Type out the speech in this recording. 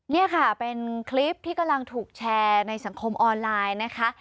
นี่ค่ะเป็นคลิปที่กำลังถูกแชร์ในสังคมออนไลน์นะคะ